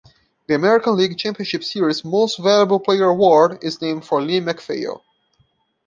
The American League Championship Series Most Valuable Player Award is named for Lee MacPhail.